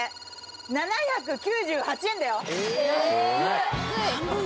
７９８円だよ。